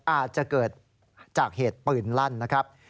อาจจะเกิดจากเหตุปืนลั่นนะครับ